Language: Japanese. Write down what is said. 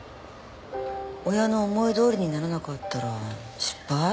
親の思いどおりにならなかったら失敗？